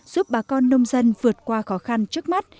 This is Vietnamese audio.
giúp bà con nông dân vượt qua khó khăn trước mắt